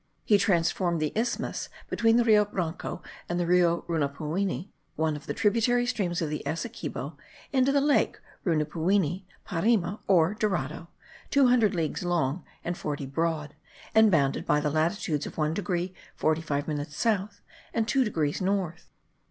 He transformed the isthmus between the Rio Branco and the Rio Rupunuwini (one of the tributary streams of the Essequibo) into the lake Rupunuwini, Parima, or Dorado, two hundred leagues long, and forty broad, and bounded by the latitudes of 1 degree 45 minutes south, and 2 degrees north.